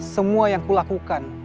semua yang kulakukan